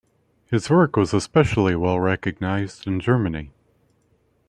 His work was especially well-recognized in Germany.